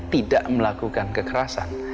tidak melakukan kekerasan